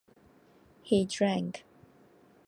He drank.